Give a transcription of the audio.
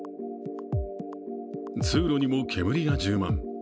通路にも煙が充満。